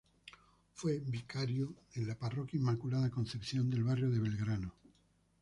Fue vicario en la parroquia Inmaculada Concepción, del barrio de Belgrano.